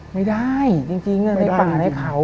ไม่ได้จริงเรื่องให้ป่าให้เขา